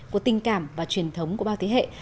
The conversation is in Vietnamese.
của tình cảm và truyền thống của bao thế hệ